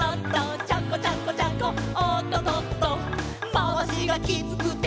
「まわしがきつくて」